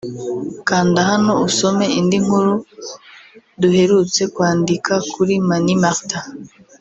Kanda hano usome indi nkuru duherutse kwandika kuri Mani Martin